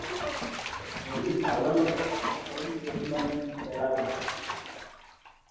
বইটি জার্মান ভাষায় প্রকাশ করেন আরিমান ভের্লাগ।